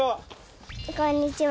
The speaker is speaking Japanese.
こんにちは。